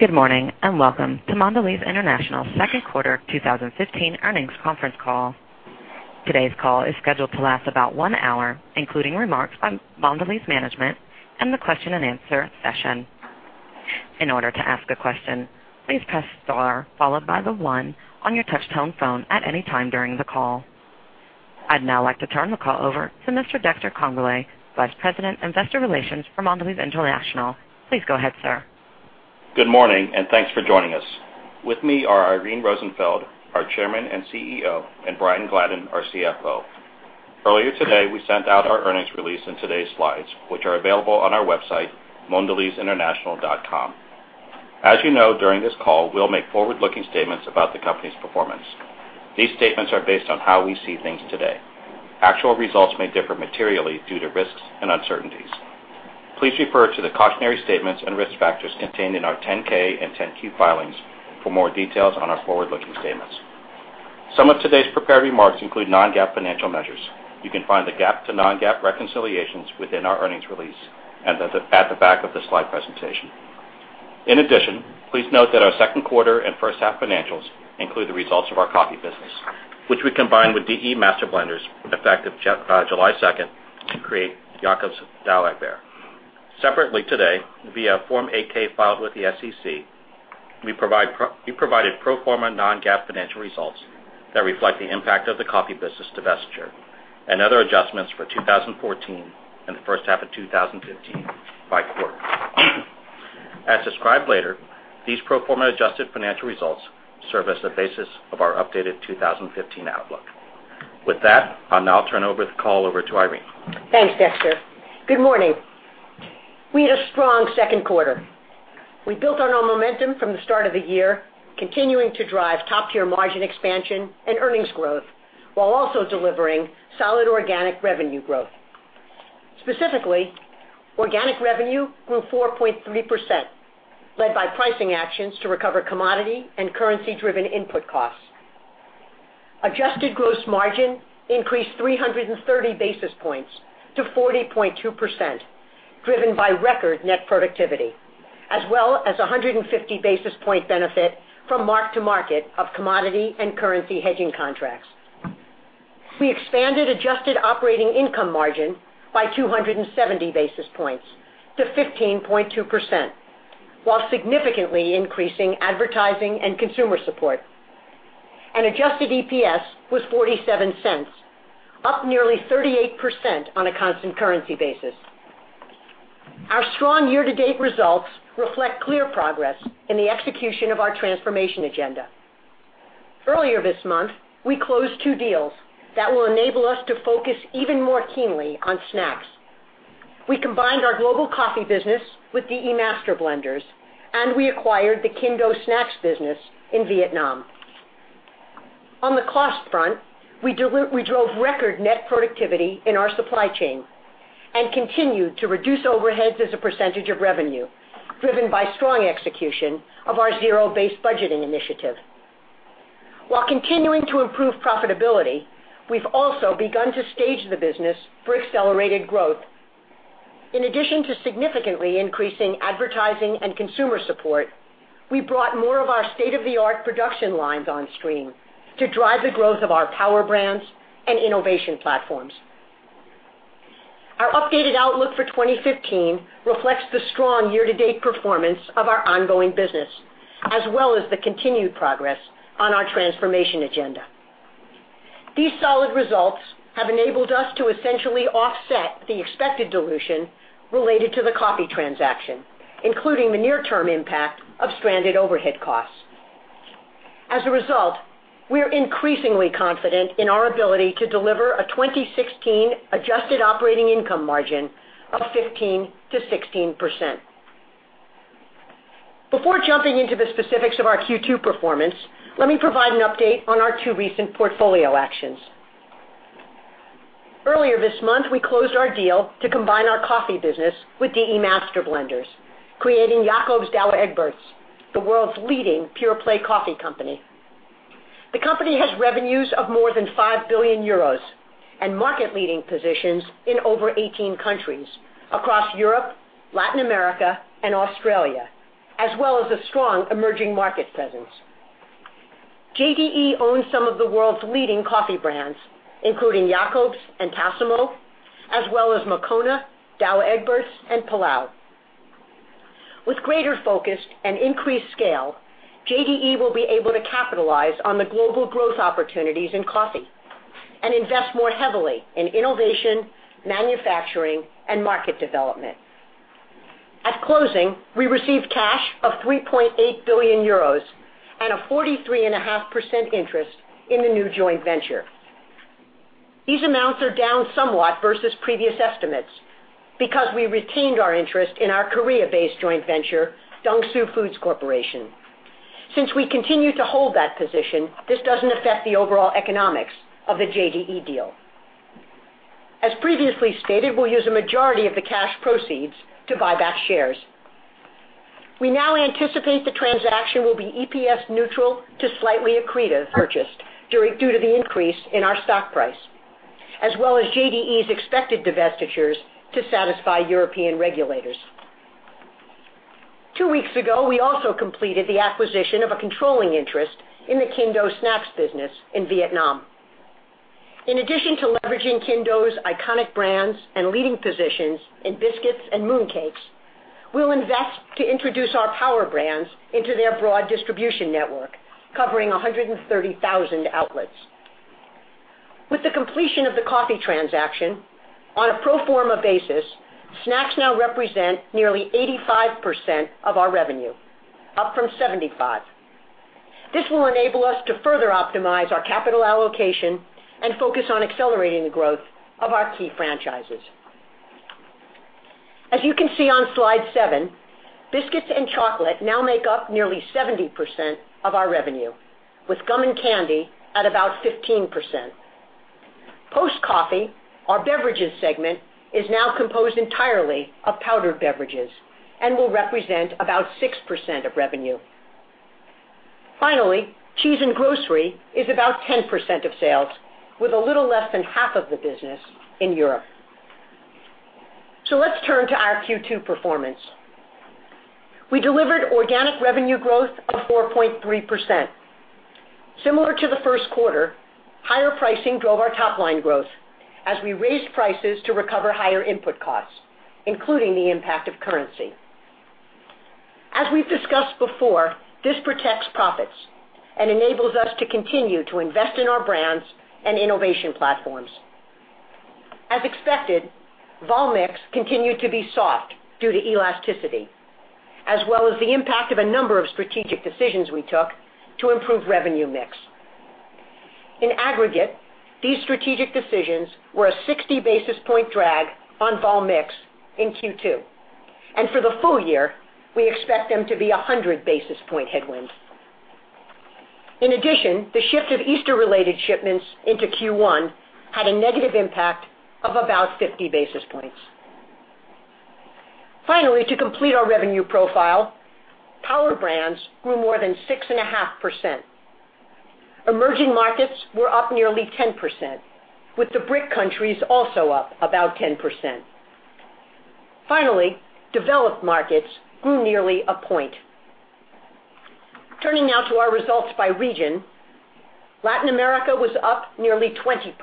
Good morning, and welcome to Mondelez International second quarter 2015 earnings conference call. Today's call is scheduled to last about one hour, including remarks by Mondelez management and the question and answer session. In order to ask a question, please press star followed by the one on your touch-tone phone at any time during the call. I'd now like to turn the call over to Mr. Dexter Congbalay, Vice President, Investor Relations for Mondelez International. Please go ahead, sir. Good morning, thanks for joining us. With me are Irene Rosenfeld, our Chairman and CEO, and Brian Gladden, our CFO. Earlier today, we sent out our earnings release in today's slides, which are available on our website, mondelezinternational.com. As you know, during this call, we'll make forward-looking statements about the company's performance. These statements are based on how we see things today. Actual results may differ materially due to risks and uncertainties. Please refer to the cautionary statements and risk factors contained in our 10-K and 10-Q filings for more details on our forward-looking statements. Some of today's prepared remarks include non-GAAP financial measures. You can find the GAAP to non-GAAP reconciliations within our earnings release and at the back of the slide presentation. In addition, please note that our second quarter and first half financials include the results of our coffee business, which we combined with D.E Master Blenders effective July 2nd to create Jacobs Douwe Egberts. Separately today, via Form 8-K filed with the SEC, we provided pro forma non-GAAP financial results that reflect the impact of the coffee business divestiture and other adjustments for 2014 and the first half of 2015 by quarter. As described later, these pro forma adjusted financial results serve as the basis of our updated 2015 outlook. With that, I'll now turn the call over to Irene. Thanks, Dexter. Good morning. We had a strong second quarter. We built on our momentum from the start of the year, continuing to drive top-tier margin expansion and earnings growth while also delivering solid organic revenue growth. Specifically, organic revenue grew 4.3%, led by pricing actions to recover commodity and currency-driven input costs. Adjusted gross margin increased 330 basis points to 40.2%, driven by record net productivity, as well as 150 basis point benefit from mark-to-market of commodity and currency hedging contracts. We expanded adjusted operating income margin by 270 basis points to 15.2%, while significantly increasing advertising and consumer support. Adjusted EPS was $0.47, up nearly 38% on a constant currency basis. Our strong year-to-date results reflect clear progress in the execution of our transformation agenda. Earlier this month, we closed two deals that will enable us to focus even more keenly on snacks. We combined our global coffee business with D.E Master Blenders, and we acquired the Kinh Do Snacks business in Vietnam. On the cost front, we drove record net productivity in our supply chain and continued to reduce overheads as a percentage of revenue, driven by strong execution of our zero-based budgeting initiative. While continuing to improve profitability, we've also begun to stage the business for accelerated growth. In addition to significantly increasing advertising and consumer support, we brought more of our state-of-the-art production lines on stream to drive the growth of our Power Brands and innovation platforms. Our updated outlook for 2015 reflects the strong year-to-date performance of our ongoing business, as well as the continued progress on our transformation agenda. These solid results have enabled us to essentially offset the expected dilution related to the coffee transaction, including the near-term impact of stranded overhead costs. We are increasingly confident in our ability to deliver a 2016 adjusted operating income margin of 15%-16%. Before jumping into the specifics of our Q2 performance, let me provide an update on our two recent portfolio actions. Earlier this month, we closed our deal to combine our coffee business with D.E Master Blenders, creating Jacobs Douwe Egberts, the world's leading pure-play coffee company. The company has revenues of more than 5 billion euros and market-leading positions in over 18 countries across Europe, Latin America, and Australia, as well as a strong emerging market presence. JDE owns some of the world's leading coffee brands, including Jacobs and Tassimo, as well as Moccona, Douwe Egberts, and Pilão. With greater focus and increased scale, JDE will be able to capitalize on the global growth opportunities in coffee and invest more heavily in innovation, manufacturing, and market development. At closing, we received cash of 3.8 billion euros and a 43.5% interest in the new joint venture. These amounts are down somewhat versus previous estimates because we retained our interest in our Korea-based joint venture, Dongsuh Foods Corporation. We continue to hold that position, this doesn't affect the overall economics of the JDE deal. Previously stated, we'll use a majority of the cash proceeds to buy back shares. We now anticipate the transaction will be EPS neutral to slightly accretive purchase due to the increase in our stock price as well as JDE's expected divestitures to satisfy European regulators. Two weeks ago, we also completed the acquisition of a controlling interest in the Kinh Do Snacks business in Vietnam. In addition to leveraging Kinh Do iconic brands and leading positions in biscuits and mooncakes, we'll invest to introduce our Power Brands into their broad distribution network, covering 130,000 outlets. With the completion of the coffee transaction, on a pro forma basis, snacks now represent nearly 85% of our revenue, up from 75%. This will enable us to further optimize our capital allocation and focus on accelerating the growth of our key franchises. You can see on slide seven, biscuits and chocolate now make up nearly 70% of our revenue, with gum and candy at about 15%. Post coffee, our beverages segment is now composed entirely of powdered beverages and will represent about 6% of revenue. Cheese and grocery is about 10% of sales, with a little less than half of the business in Europe. Let's turn to our Q2 performance. We delivered organic revenue growth of 4.3%. Similar to the first quarter, higher pricing drove our top-line growth as we raised prices to recover higher input costs, including the impact of currency. As we've discussed before, this protects profits and enables us to continue to invest in our brands and innovation platforms. As expected, vol mix continued to be soft due to elasticity, as well as the impact of a number of strategic decisions we took to improve revenue mix. In aggregate, these strategic decisions were a 60 basis point drag on vol mix in Q2, and for the full year, we expect them to be 100 basis point headwinds. In addition, the shift of Easter-related shipments into Q1 had a negative impact of about 50 basis points. Finally, to complete our revenue profile, Power Brands grew more than 6.5%. Emerging markets were up nearly 10%, with the BRIC countries also up about 10%. Finally, developed markets grew nearly 1 point. Turning now to our results by region. Latin America was up nearly 20%,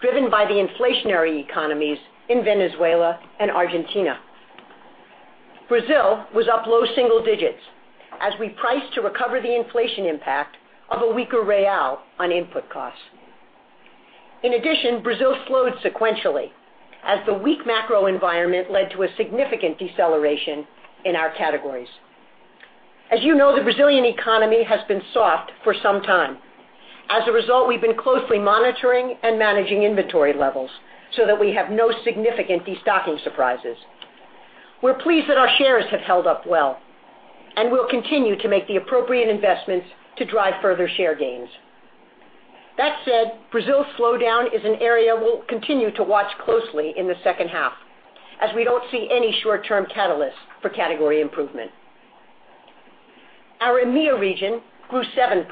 driven by the inflationary economies in Venezuela and Argentina. Brazil was up low single digits as we priced to recover the inflation impact of a weaker real on input costs. In addition, Brazil slowed sequentially as the weak macro environment led to a significant deceleration in our categories. As you know, the Brazilian economy has been soft for some time. As a result, we've been closely monitoring and managing inventory levels so that we have no significant destocking surprises. We're pleased that our shares have held up well, and we'll continue to make the appropriate investments to drive further share gains. That said, Brazil's slowdown is an area we'll continue to watch closely in the second half, as we don't see any short-term catalyst for category improvement. Our EMEA region grew 7%.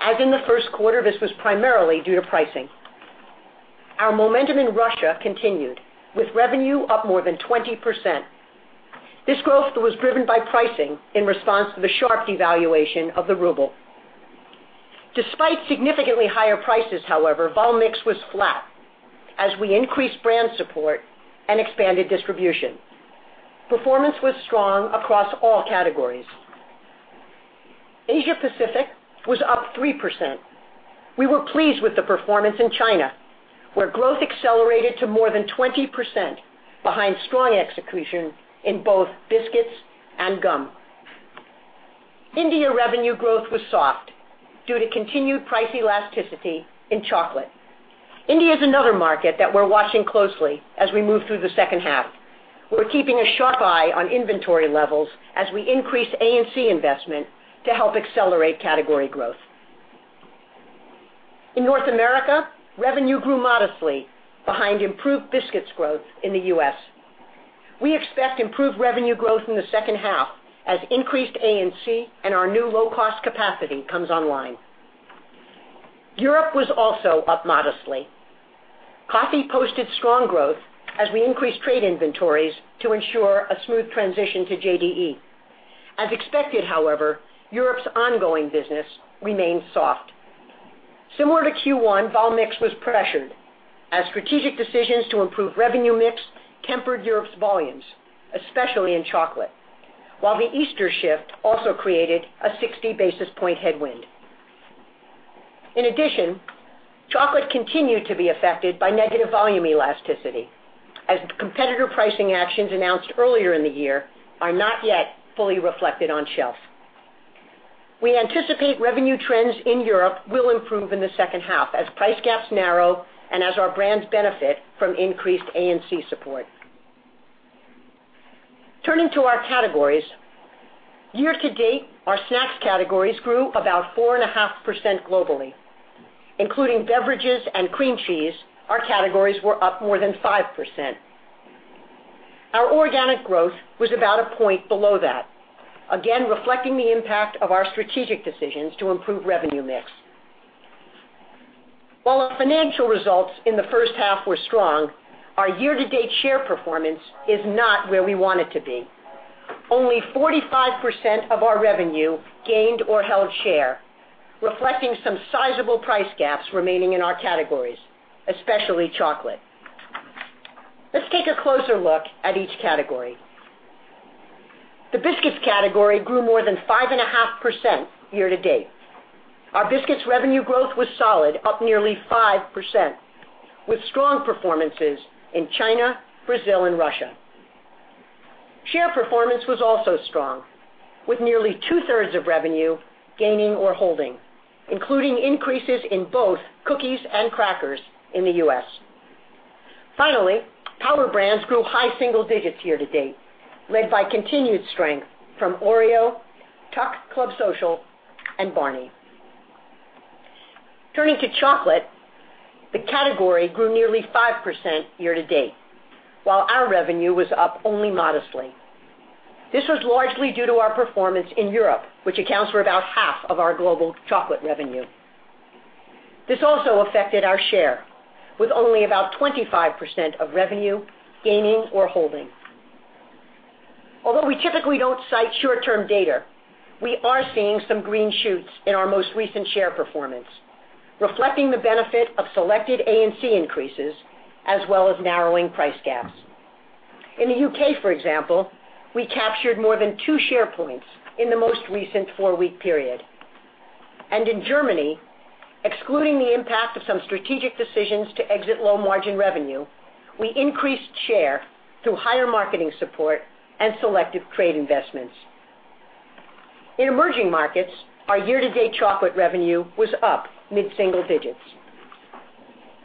As in the first quarter, this was primarily due to pricing. Our momentum in Russia continued, with revenue up more than 20%. This growth was driven by pricing in response to the sharp devaluation of the ruble. Despite significantly higher prices, however, vol mix was flat as we increased brand support and expanded distribution. Performance was strong across all categories. Asia Pacific was up 3%. We were pleased with the performance in China, where growth accelerated to more than 20% behind strong execution in both biscuits and gum. India revenue growth was soft due to continued price elasticity in chocolate. India is another market that we're watching closely as we move through the second half. We're keeping a sharp eye on inventory levels as we increase A&C investment to help accelerate category growth. In North America, revenue grew modestly behind improved biscuits growth in the U.S. We expect improved revenue growth in the second half as increased A&C and our new low-cost capacity comes online. Europe was also up modestly. Coffee posted strong growth as we increased trade inventories to ensure a smooth transition to JDE. As expected, however, Europe's ongoing business remains soft. Similar to Q1, vol mix was pressured as strategic decisions to improve revenue mix tempered Europe's volumes, especially in chocolate, while the Easter shift also created a 60 basis point headwind. In addition, chocolate continued to be affected by negative volume elasticity as competitor pricing actions announced earlier in the year are not yet fully reflected on shelf. We anticipate revenue trends in Europe will improve in the second half as price gaps narrow and as our brands benefit from increased A&C support. Turning to our categories. Year to date, our snacks categories grew about 4.5% globally. Including beverages and cream cheese, our categories were up more than 5%. Our organic growth was about one point below that, again, reflecting the impact of our strategic decisions to improve revenue mix. While our financial results in the first half were strong, our year-to-date share performance is not where we want it to be. Only 45% of our revenue gained or held share, reflecting some sizable price gaps remaining in our categories, especially chocolate. Let's take a closer look at each category. The biscuits category grew more than 5.5% year to date. Our biscuits revenue growth was solid, up nearly 5%, with strong performances in China, Brazil, and Russia. Share performance was also strong, with nearly two-thirds of revenue gaining or holding, including increases in both cookies and crackers in the U.S. Finally, Power Brands grew high single digits year to date, led by continued strength from Oreo, TUC Club Social, and Barni. Turning to chocolate, the category grew nearly 5% year to date, while our revenue was up only modestly. This was largely due to our performance in Europe, which accounts for about half of our global chocolate revenue. This also affected our share with only about 25% of revenue gaining or holding. Although we typically don't cite short-term data, we are seeing some green shoots in our most recent share performance, reflecting the benefit of selected A&C increases, as well as narrowing price gaps. In the U.K., for example, we captured more than two share points in the most recent four-week period, and in Germany, excluding the impact of some strategic decisions to exit low margin revenue, we increased share through higher marketing support and selective trade investments. In emerging markets, our year-to-date chocolate revenue was up mid-single digits.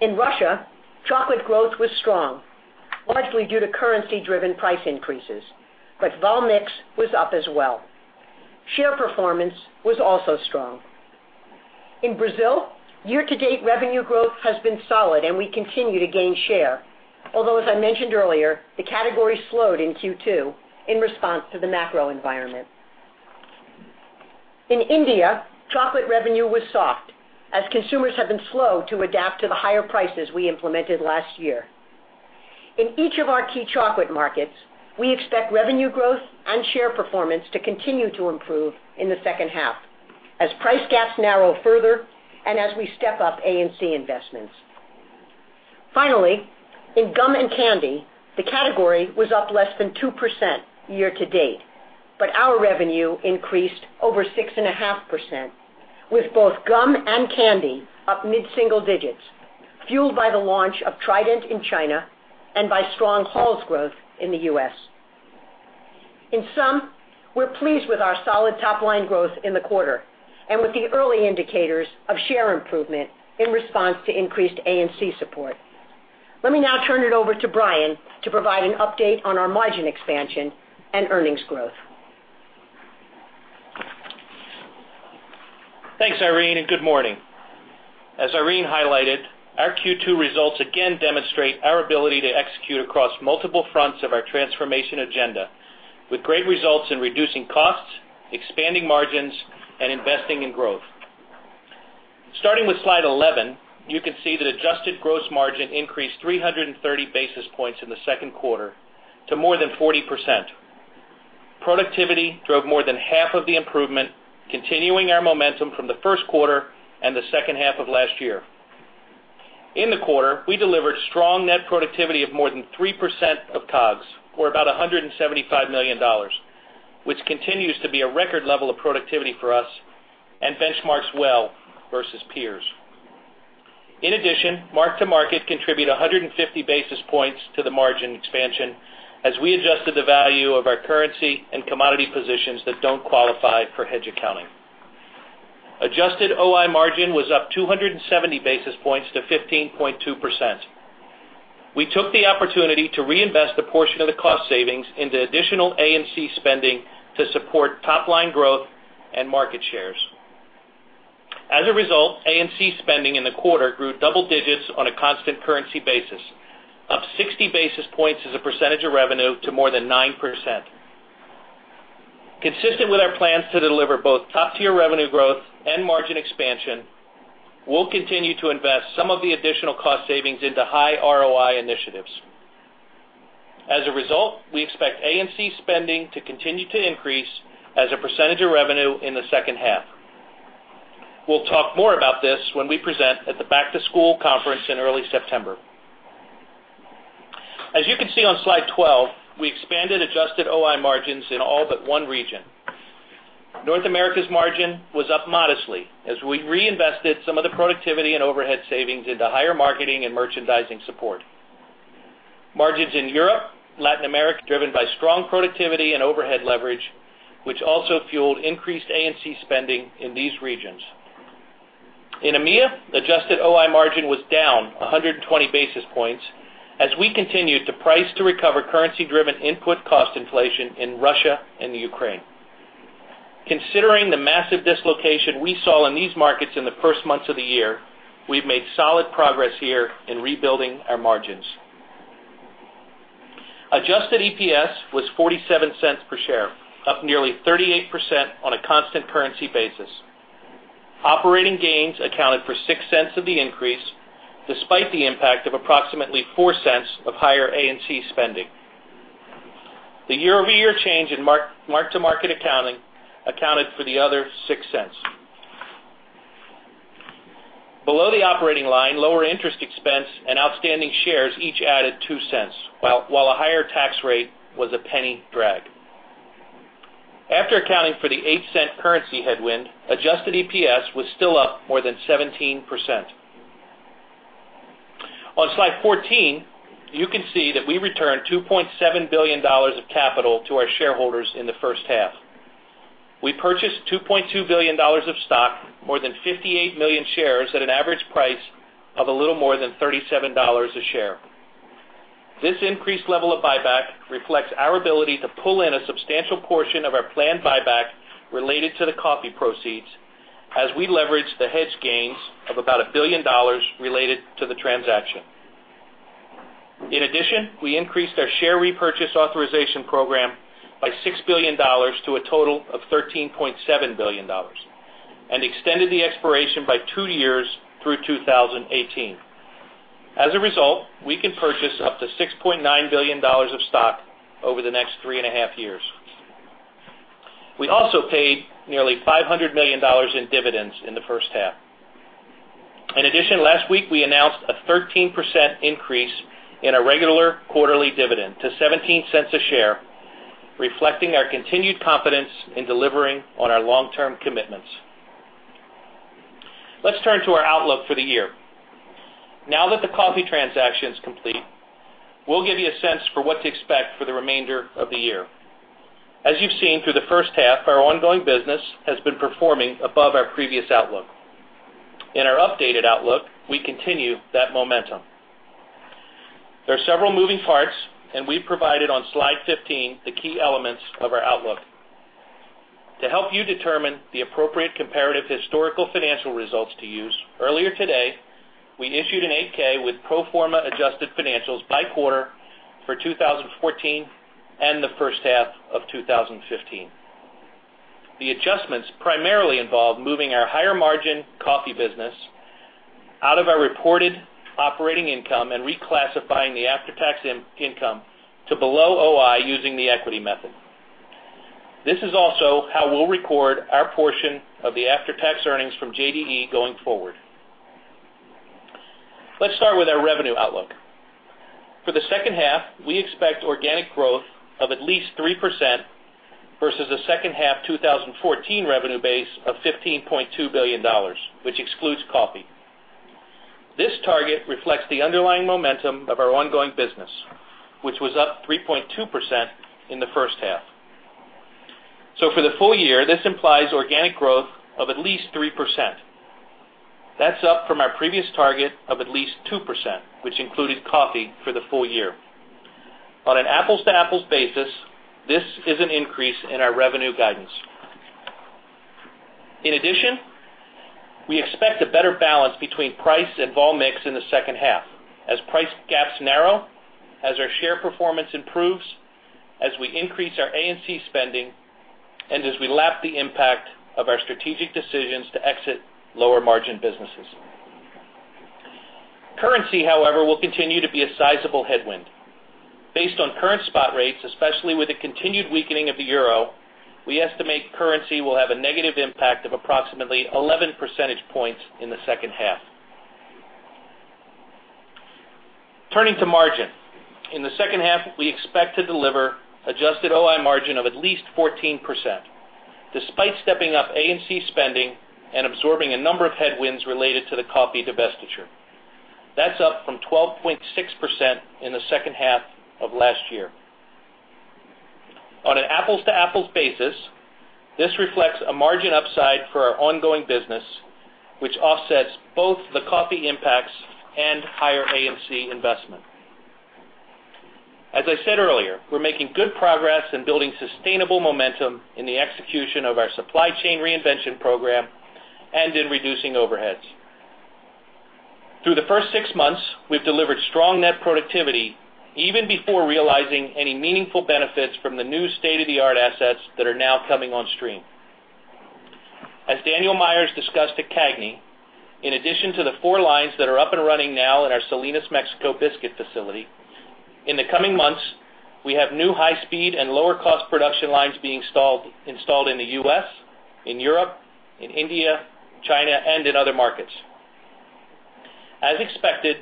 In Russia, chocolate growth was strong, largely due to currency-driven price increases, but volume/mix was up as well. Share performance was also strong. In Brazil, year-to-date revenue growth has been solid, and we continue to gain share, although as I mentioned earlier, the category slowed in Q2 in response to the macro environment. In India, chocolate revenue was soft as consumers have been slow to adapt to the higher prices we implemented last year. In each of our key chocolate markets, we expect revenue growth and share performance to continue to improve in the second half as price gaps narrow further and as we step up A&C investments. Finally, in gum and candy, the category was up less than 2% year to date, but our revenue increased over 6.5% with both gum and candy up mid-single digits, fueled by the launch of Trident in China and by strong Halls growth in the U.S. In sum, we're pleased with our solid top-line growth in the quarter and with the early indicators of share improvement in response to increased A&C support. Let me now turn it over to Brian to provide an update on our margin expansion and earnings growth. Thanks, Irene. Good morning. As Irene highlighted, our Q2 results again demonstrate our ability to execute across multiple fronts of our transformation agenda with great results in reducing costs, expanding margins, and investing in growth. Starting with slide 11, you can see that adjusted gross margin increased 330 basis points in the second quarter to more than 40%. Productivity drove more than half of the improvement, continuing our momentum from the first quarter and the second half of last year. In the quarter, we delivered strong net productivity of more than 3% of COGS, or about $175 million, which continues to be a record level of productivity for us and benchmarks well versus peers. In addition, mark-to-market contributed 150 basis points to the margin expansion as we adjusted the value of our currency and commodity positions that don't qualify for hedge accounting. Adjusted OI margin was up 270 basis points to 15.2%. We took the opportunity to reinvest a portion of the cost savings into additional A&C spending to support top-line growth and market shares. As a result, A&C spending in the quarter grew double digits on a constant currency basis, up 60 basis points as a percentage of revenue to more than 9%. Consistent with our plans to deliver both top-tier revenue growth and margin expansion, we'll continue to invest some of the additional cost savings into high ROI initiatives. As a result, we expect A&C spending to continue to increase as a percentage of revenue in the second half. We'll talk more about this when we present at the Back to School conference in early September. As you can see on slide 12, we expanded adjusted OI margins in all but one region. North America's margin was up modestly as we reinvested some of the productivity and overhead savings into higher marketing and merchandising support. Margins in Europe, Latin America, driven by strong productivity and overhead leverage, which also fueled increased A&C spending in these regions. In EMEA, adjusted OI margin was down 120 basis points as we continued to price to recover currency-driven input cost inflation in Russia and Ukraine. Considering the massive dislocation we saw in these markets in the first months of the year, we've made solid progress here in rebuilding our margins. Adjusted EPS was $0.47 per share, up nearly 38% on a constant currency basis. Operating gains accounted for $0.06 of the increase, despite the impact of approximately $0.04 of higher A&C spending. The year-over-year change in mark-to-market accounting accounted for the other $0.06. Below the operating line, lower interest expense and outstanding shares each added $0.02, while a higher tax rate was a $0.01 drag. After accounting for the $0.08 currency headwind, adjusted EPS was still up more than 17%. On slide 14, you can see that we returned $2.7 billion of capital to our shareholders in the first half. We purchased $2.2 billion of stock, more than 58 million shares at an average price of a little more than $37 a share. This increased level of buyback reflects our ability to pull in a substantial portion of our planned buyback related to the coffee proceeds as we leverage the hedge gains of about $1 billion related to the transaction. In addition, we increased our share repurchase authorization program by $6 billion to a total of $13.7 billion and extended the expiration by two years through 2018. As a result, we can purchase up to $6.9 billion of stock over the next three and a half years. We also paid nearly $500 million in dividends in the first half. In addition, last week, we announced a 13% increase in our regular quarterly dividend to $0.17 a share, reflecting our continued confidence in delivering on our long-term commitments. Let's turn to our outlook for the year. Now that the coffee transaction is complete, we'll give you a sense for what to expect for the remainder of the year. As you've seen through the first half, our ongoing business has been performing above our previous outlook. In our updated outlook, we continue that momentum. There are several moving parts, and we've provided on Slide 15 the key elements of our outlook. To help you determine the appropriate comparative historical financial results to use, earlier today, we issued an 8-K with pro forma adjusted financials by quarter for 2014 and the first half of 2015. The adjustments primarily involve moving our higher-margin coffee business out of our reported operating income and reclassifying the after-tax income to below OI using the equity method. This is also how we'll record our portion of the after-tax earnings from JDE going forward. Let's start with our revenue outlook. For the second half, we expect organic growth of at least 3% versus the second half 2014 revenue base of $15.2 billion, which excludes coffee. This target reflects the underlying momentum of our ongoing business, which was up 3.2% in the first half. So for the full year, this implies organic growth of at least 3%. That's up from our previous target of at least 2%, which included coffee for the full year. On an apples-to-apples basis, this is an increase in our revenue guidance. In addition, we expect a better balance between price and volume/mix in the second half as price gaps narrow, as our share performance improves, as we increase our A&C spending, and as we lap the impact of our strategic decisions to exit lower-margin businesses. Currency, however, will continue to be a sizable headwind. Based on current spot rates, especially with the continued weakening of the EUR, we estimate currency will have a negative impact of approximately 11 percentage points in the second half. Turning to margin. In the second half, we expect to deliver adjusted OI margin of at least 14%, despite stepping up A&C spending and absorbing a number of headwinds related to the coffee divestiture. That's up from 12.6% in the second half of last year. On an apples-to-apples basis, this reflects a margin upside for our ongoing business, which offsets both the coffee impacts and higher A&C investment. As I said earlier, we're making good progress in building sustainable momentum in the execution of our supply chain reinvention program and in reducing overheads. Through the first six months, we've delivered strong net productivity even before realizing any meaningful benefits from the new state-of-the-art assets that are now coming on stream. As Daniel Myers discussed at CAGNY, in addition to the four lines that are up and running now in our Salinas, Mexico biscuit facility, in the coming months, we have new high-speed and lower-cost production lines being installed in the U.S., in Europe, in India, China, and in other markets. Yesterday,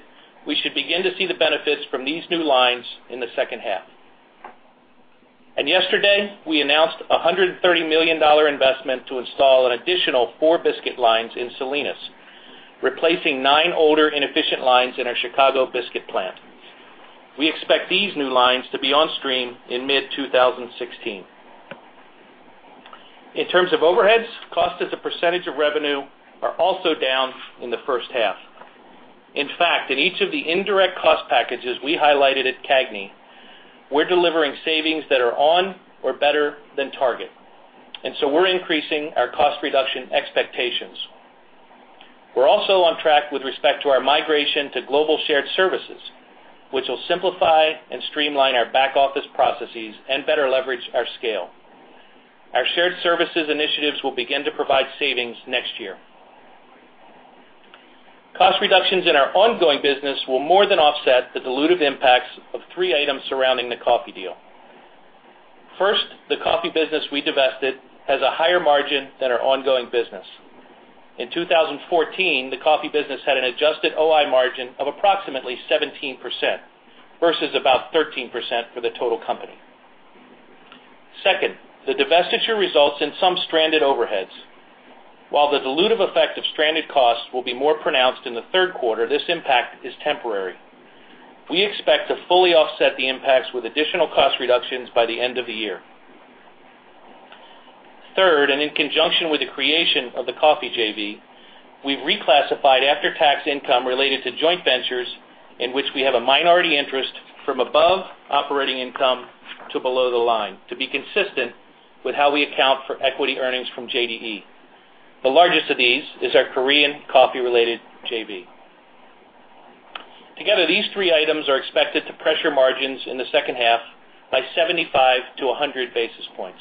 we should begin to see the benefits from these new lines in the second half. Yesterday, we announced a $130 million investment to install an additional four biscuit lines in Salinas, replacing nine older, inefficient lines in our Chicago biscuit plant. We expect these new lines to be on stream in mid-2016. In terms of overheads, cost as a percentage of revenue are also down in the first half. In fact, in each of the indirect cost packages we highlighted at CAGNY, we're delivering savings that are on or better than target, and so we're increasing our cost reduction expectations. We're also on track with respect to our migration to global shared services, which will simplify and streamline our back-office processes and better leverage our scale. Our shared services initiatives will begin to provide savings next year. Cost reductions in our ongoing business will more than offset the dilutive impacts of three items surrounding the coffee deal. First, the coffee business we divested has a higher margin than our ongoing business. In 2014, the coffee business had an adjusted OI margin of approximately 17%, versus about 13% for the total company. Second, the divestiture results in some stranded overheads. While the dilutive effect of stranded costs will be more pronounced in the third quarter, this impact is temporary. We expect to fully offset the impacts with additional cost reductions by the end of the year. Third, in conjunction with the creation of the coffee JV, we've reclassified after-tax income related to joint ventures in which we have a minority interest from above operating income to below the line to be consistent with how we account for equity earnings from JDE. The largest of these is our Korean coffee-related JV. Together, these three items are expected to pressure margins in the second half by 75-100 basis points.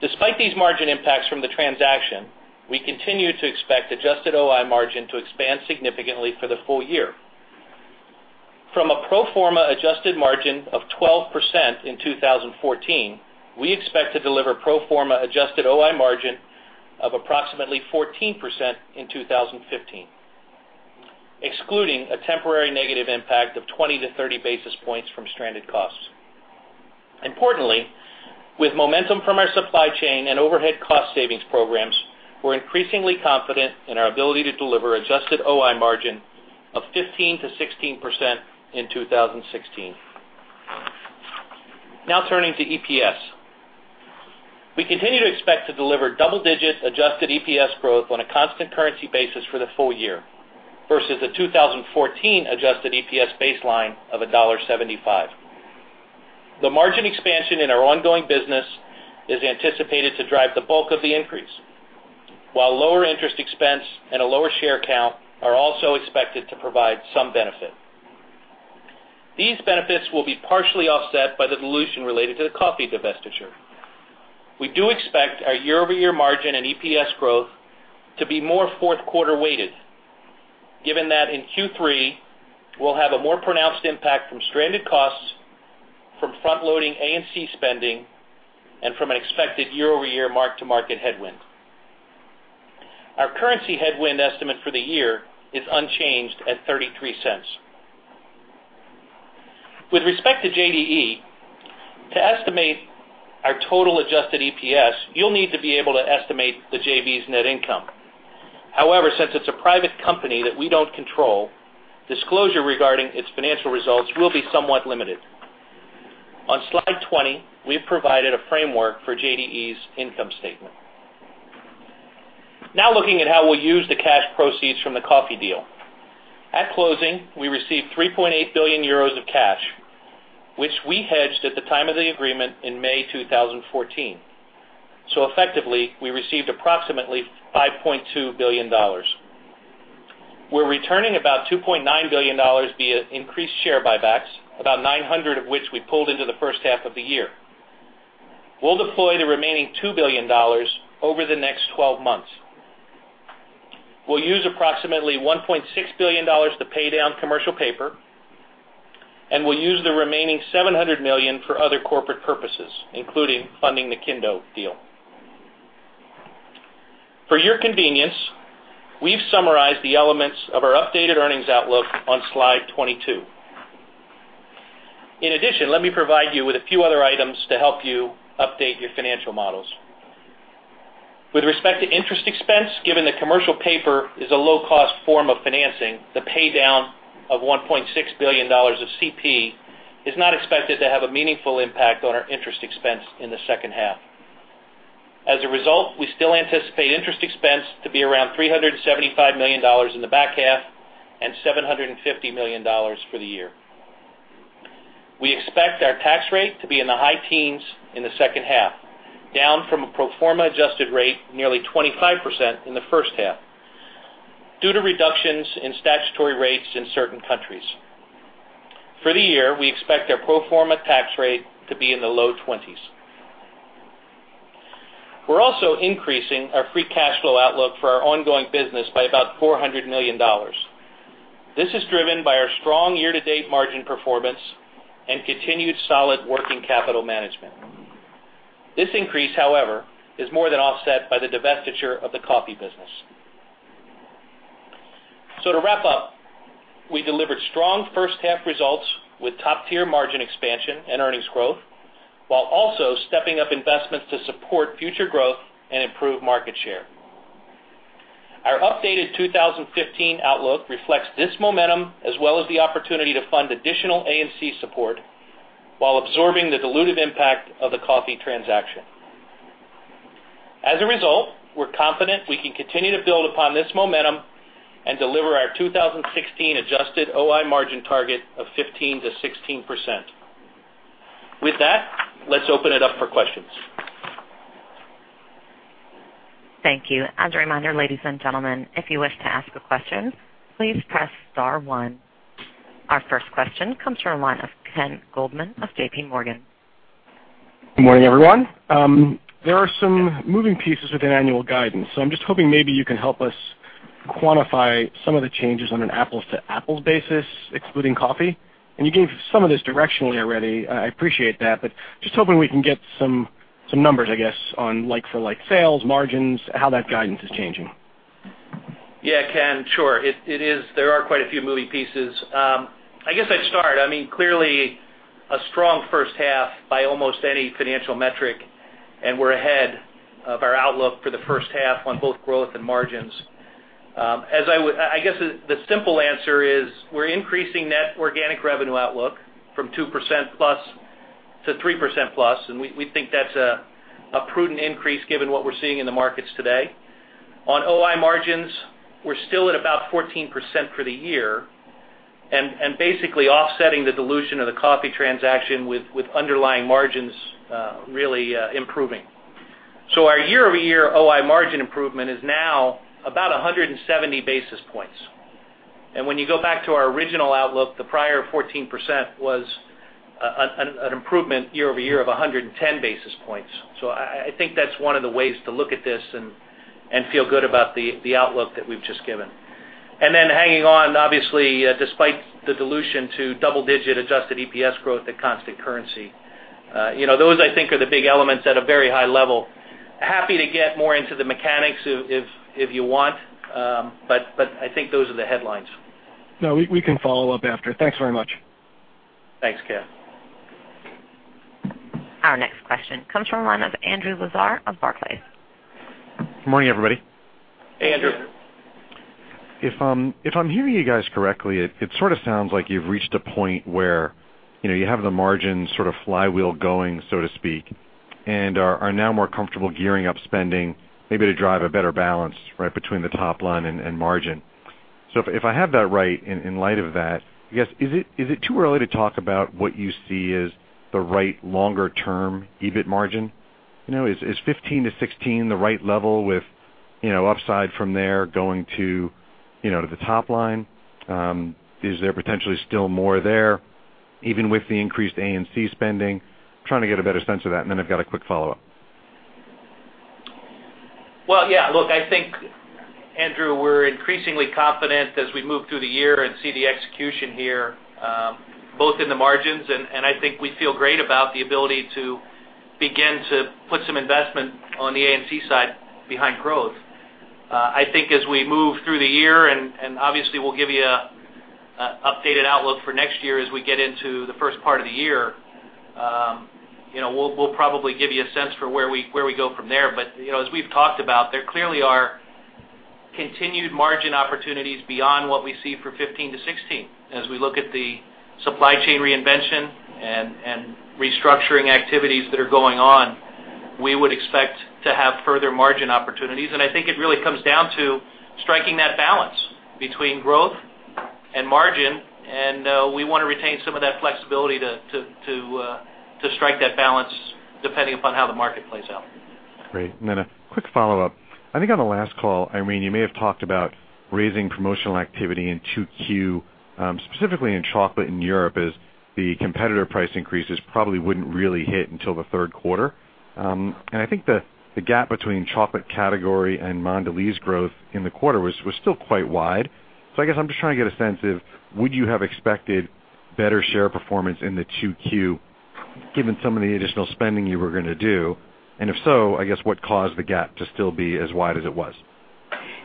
Despite these margin impacts from the transaction, we continue to expect adjusted OI margin to expand significantly for the full year. From a pro forma adjusted margin of 12% in 2014, we expect to deliver pro forma adjusted OI margin of approximately 14% in 2015, excluding a temporary negative impact of 20-30 basis points from stranded costs. Importantly, with momentum from our supply chain and overhead cost savings programs, we're increasingly confident in our ability to deliver adjusted OI margin of 15%-16% in 2016. Now turning to EPS. We continue to expect to deliver double-digit adjusted EPS growth on a constant currency basis for the full year, versus the 2014 adjusted EPS baseline of $1.75. The margin expansion in our ongoing business is anticipated to drive the bulk of the increase, while lower interest expense and a lower share count are also expected to provide some benefit. These benefits will be partially offset by the dilution related to the coffee divestiture. We do expect our year-over-year margin and EPS growth to be more fourth-quarter weighted, given that in Q3 we'll have a more pronounced impact from stranded costs from front-loading A&C spending and from an expected year-over-year mark-to-market headwind. Our currency headwind estimate for the year is unchanged at $0.33. With respect to JDE, to estimate our total adjusted EPS, you'll need to be able to estimate the JV's net income. However, since it's a private company that we don't control, disclosure regarding its financial results will be somewhat limited. On slide 20, we've provided a framework for JDE's income statement. Looking at how we'll use the cash proceeds from the coffee deal. At closing, we received €3.8 billion of cash, which we hedged at the time of the agreement in May 2014. Effectively, we received approximately $5.2 billion. We're returning about $2.9 billion via increased share buybacks, about $900 million of which we pulled into the first half of the year. We'll deploy the remaining $2 billion over the next 12 months. We'll use approximately $1.6 billion to pay down CP, and we'll use the remaining $700 million for other corporate purposes, including funding the Kinh Do deal. For your convenience, we've summarized the elements of our updated earnings outlook on slide 22. In addition, let me provide you with a few other items to help you update your financial models. With respect to interest expense, given that CP is a low-cost form of financing, the pay-down of $1.6 billion of CP is not expected to have a meaningful impact on our interest expense in the second half. We still anticipate interest expense to be around $375 million in the back half and $750 million for the year. We expect our tax rate to be in the high teens in the second half, down from a pro forma adjusted rate nearly 25% in the first half, due to reductions in statutory rates in certain countries. For the year, we expect our pro forma tax rate to be in the low 20s. We're also increasing our free cash flow outlook for our ongoing business by about $400 million. This is driven by our strong year-to-date margin performance and continued solid working capital management. This increase, however, is more than offset by the divestiture of the coffee business. To wrap up, we delivered strong first half results with top-tier margin expansion and earnings growth, while also stepping up investments to support future growth and improve market share. Our updated 2015 outlook reflects this momentum, as well as the opportunity to fund additional A&C support while absorbing the dilutive impact of the coffee transaction. We're confident we can continue to build upon this momentum and deliver our 2016 adjusted OI margin target of 15%-16%. With that, let's open it up for questions. Thank you. As a reminder, ladies and gentlemen, if you wish to ask a question, please press star one. Our first question comes from the line of Ken Goldman of J.P. Morgan. Good morning, everyone. There are some moving pieces within annual guidance. I'm just hoping maybe you can help us quantify some of the changes on an apples-to-apples basis, excluding coffee. You gave some of this directionally already. I appreciate that, but just hoping we can get some numbers, I guess, on like-for-like sales margins, how that guidance is changing. Yeah, Ken. Sure. There are quite a few moving pieces. I guess I'd start, clearly, a strong first half by almost any financial metric. We're ahead of our outlook for the first half on both growth and margins. I guess, the simple answer is we're increasing net organic revenue outlook from 2% plus to 3% plus. We think that's a prudent increase given what we're seeing in the markets today. On OI margins, we're still at about 14% for the year. Basically offsetting the dilution of the coffee transaction with underlying margins really improving. Our year-over-year OI margin improvement is now about 170 basis points. When you go back to our original outlook, the prior 14% was an improvement year-over-year of 110 basis points. I think that's one of the ways to look at this and feel good about the outlook that we've just given. Hanging on, obviously, despite the dilution to double-digit adjusted EPS growth at constant currency. Those, I think, are the big elements at a very high level. Happy to get more into the mechanics if you want. I think those are the headlines. No, we can follow up after. Thanks very much. Thanks, Ken. Our next question comes from the line of Andrew Lazar of Barclays. Good morning, everybody. Hey, Andrew. If I'm hearing you guys correctly, it sort of sounds like you've reached a point where you have the margin sort of flywheel going, so to speak, and are now more comfortable gearing up spending maybe to drive a better balance right between the top line and margin. If I have that right, in light of that, I guess, is it too early to talk about what you see as the right longer-term EBIT margin? Is 15%-16% the right level with upside from there going to the top line? Is there potentially still more there, even with the increased A&C spending? I'm trying to get a better sense of that. Then I've got a quick follow-up. Well, yeah, look, I think, Andrew, we're increasingly confident as we move through the year and see the execution here, both in the margins, and I think we feel great about the ability to begin to put some investment on the A&C side behind growth. I think as we move through the year, and obviously, we'll give you an updated outlook for next year as we get into the first part of the year. We'll probably give you a sense for where we go from there. But as we've talked about, there clearly are continued margin opportunities beyond what we see for 2015-2016. As we look at the supply chain reinvention and restructuring activities that are going on, we would expect to have further margin opportunities, and I think it really comes down to striking that balance between growth and margin, and we want to retain some of that flexibility to strike that balance depending upon how the market plays out. Great. Then a quick follow-up. I think on the last call, Irene, you may have talked about raising promotional activity in 2Q, specifically in chocolate in Europe, as the competitor price increases probably wouldn't really hit until the third quarter. I think the gap between chocolate category and Mondelez growth in the quarter was still quite wide. I guess I'm just trying to get a sense of would you have expected better share performance in the 2Q given some of the additional spending you were going to do? If so, I guess what caused the gap to still be as wide as it was?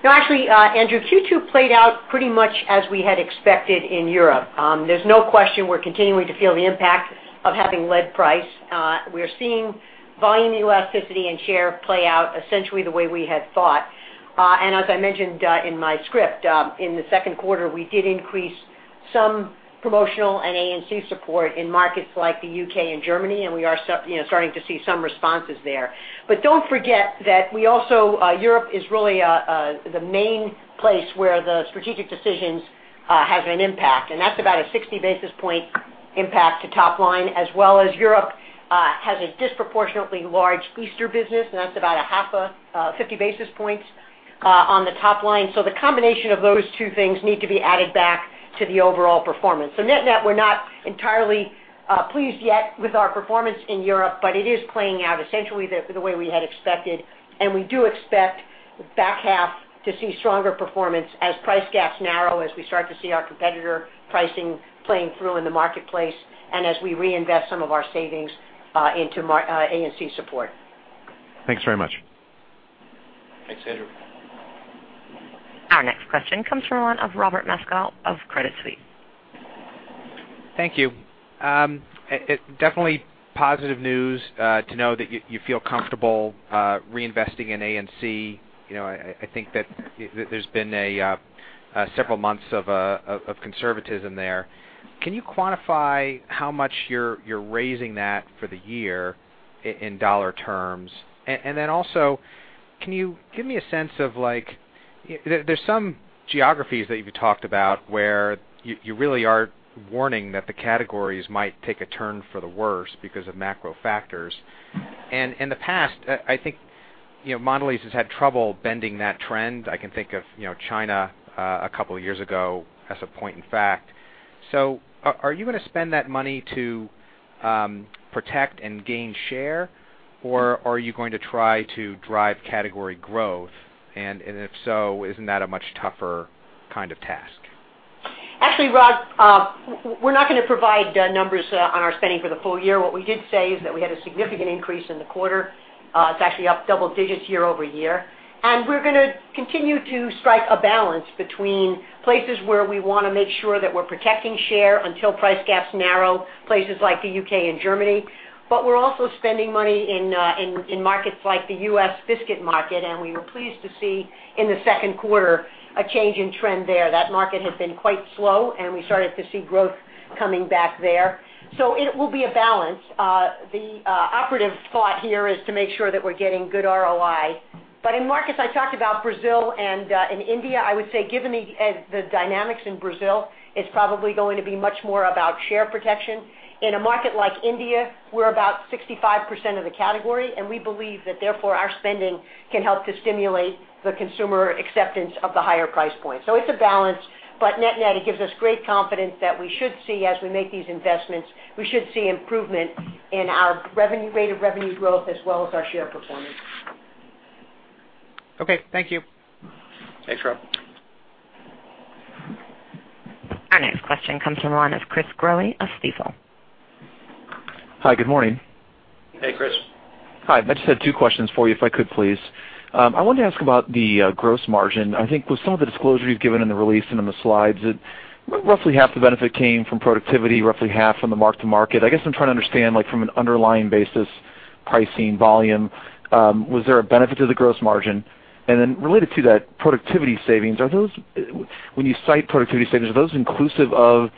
No, actually, Andrew, Q2 played out pretty much as we had expected in Europe. There's no question we're continuing to feel the impact of having led price. We're seeing volume elasticity and share play out essentially the way we had thought. As I mentioned in my script, in the second quarter, we did increase some promotional and A&C support in markets like the U.K. and Germany, and we are starting to see some responses there. Don't forget that Europe is really the main place where the strategic decisions have an impact, and that's about a 60-basis point impact to top line, as well as Europe has a disproportionately large Easter business, and that's about 50 basis points on the top line. The combination of those two things need to be added back to the overall performance. Net-net, we're not entirely pleased yet with our performance in Europe, but it is playing out essentially the way we had expected, and we do expect the back half to see stronger performance as price gaps narrow, as we start to see our competitor pricing playing through in the marketplace, and as we reinvest some of our savings into A&C support. Thanks very much. Thanks, Andrew. Our next question comes from the line of Robert Moskow of Credit Suisse. Thank you. Definitely positive news to know that you feel comfortable reinvesting in A&C. I think that there's been several months of conservatism there. Can you quantify how much you're raising that for the year in dollar terms? Can you give me a sense of like There's some geographies that you've talked about where you really are warning that the categories might take a turn for the worse because of macro factors. In the past, I think Mondelez has had trouble bending that trend. I can think of China, a couple of years ago as a point in fact. Are you going to spend that money to protect and gain share, or are you going to try to drive category growth? If so, isn't that a much tougher kind of task? Actually, Rob, we're not going to provide numbers on our spending for the full year. What we did say is that we had a significant increase in the quarter. It's actually up double digits year-over-year. We're going to continue to strike a balance between places where we want to make sure that we're protecting share until price gaps narrow, places like the U.K. and Germany. We're also spending money in markets like the U.S. biscuit market. We were pleased to see in the second quarter a change in trend there. That market had been quite slow. We started to see growth coming back there. It will be a balance. The operative thought here is to make sure that we're getting good ROI. In markets, I talked about Brazil and in India, I would say, given the dynamics in Brazil, it's probably going to be much more about share protection. In a market like India, we're about 65% of the category. We believe that, therefore, our spending can help to stimulate the consumer acceptance of the higher price point. It's a balance. Net-net, it gives us great confidence that we should see as we make these investments, we should see improvement in our rate of revenue growth as well as our share performance. Okay, thank you. Thanks, Rob. Our next question comes from the line of Chris Growe of Stifel. Hi, good morning. Hey, Chris. Hi. I just had two questions for you, if I could, please. I wanted to ask about the gross margin. I think with some of the disclosure you've given in the release and in the slides, that roughly half the benefit came from productivity, roughly half from the mark-to-market. I guess I'm trying to understand from an underlying basis, pricing, volume, was there a benefit to the gross margin? Related to that, productivity savings, when you cite productivity savings, are those inclusive of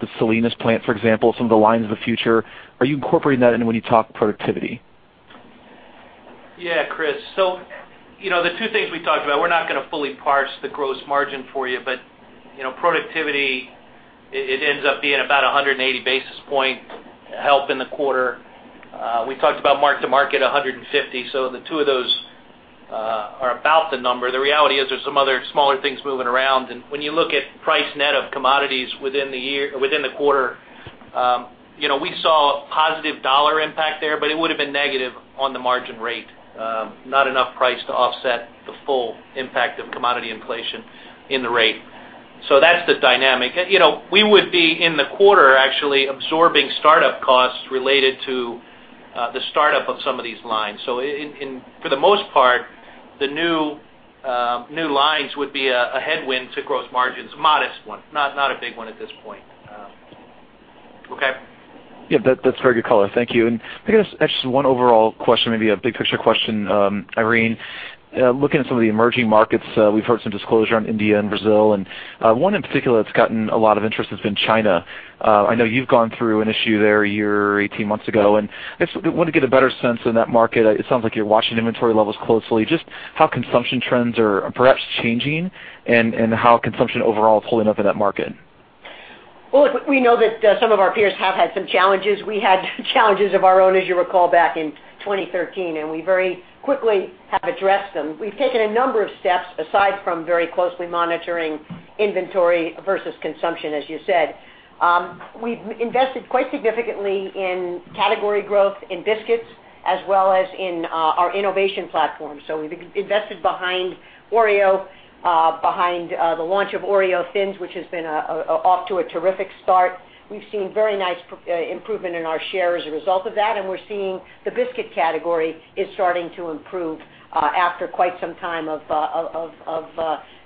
the Salinas plant, for example, some of the lines of the future? Are you incorporating that in when you talk productivity? Yeah, Chris. The two things we talked about, we're not going to fully parse the gross margin for you, productivity, it ends up being about 180 basis point help in the quarter. We talked about mark-to-market 150, the two of those are about the number. The reality is there's some other smaller things moving around, when you look at price net of commodities within the quarter, we saw a positive dollar impact there, it would have been negative on the margin rate. Not enough price to offset the full impact of commodity inflation in the rate. That's the dynamic. We would be in the quarter actually absorbing startup costs related to the startup of some of these lines. For the most part, the new lines would be a headwind to gross margins. A modest one, not a big one at this point. Okay? Yeah, that's very good color. Thank you. I guess actually one overall question, maybe a big picture question, Irene. Looking at some of the emerging markets, we've heard some disclosure on India and Brazil, and one in particular that's gotten a lot of interest has been China. I know you've gone through an issue there a year, 18 months ago, and I just want to get a better sense in that market. It sounds like you're watching inventory levels closely, just how consumption trends are perhaps changing and how consumption overall is holding up in that market. Well, look, we know that some of our peers have had some challenges. We had challenges of our own, as you recall, back in 2013, we very quickly have addressed them. We've taken a number of steps aside from very closely monitoring inventory versus consumption, as you said. We've invested quite significantly in category growth in biscuits as well as in our innovation platform. We've invested behind Oreo, behind the launch of Oreo Thins, which has been off to a terrific start. We've seen very nice improvement in our share as a result of that, we're seeing the biscuit category is starting to improve after quite some time of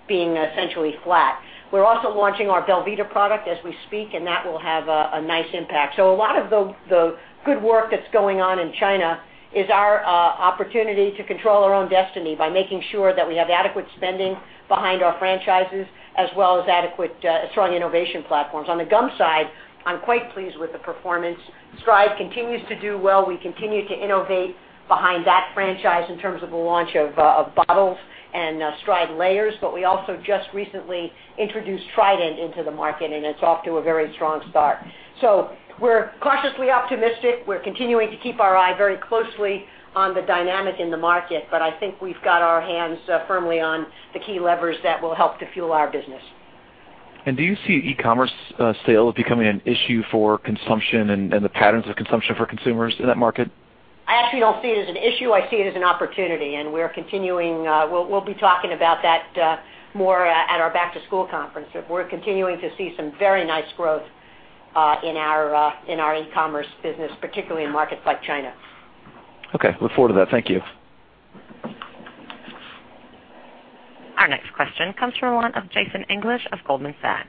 being essentially flat. We're also launching our belVita product as we speak, that will have a nice impact. A lot of the good work that's going on in China is our opportunity to control our own destiny by making sure that we have adequate spending behind our franchises as well as adequate, strong innovation platforms. On the gum side, I'm quite pleased with the performance. Stride continues to do well. We continue to innovate behind that franchise in terms of the launch of bottles and Trident Layers, we also just recently introduced Trident into the market, it's off to a very strong start. We're cautiously optimistic. We're continuing to keep our eye very closely on the dynamic in the market, I think we've got our hands firmly on the key levers that will help to fuel our business. Do you see e-commerce sales becoming an issue for consumption and the patterns of consumption for consumers in that market? I actually don't see it as an issue. I see it as an opportunity, and we'll be talking about that more at our Back to School conference. We're continuing to see some very nice growth in our e-commerce business, particularly in markets like China. Okay, look forward to that. Thank you. Our next question comes from the line of Jason English of Goldman Sachs.